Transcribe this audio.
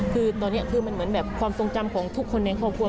คือตอนนี้คือมันเหมือนแบบความทรงจำของทุกคนในครอบครัว